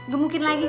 gemukin lagi gi bang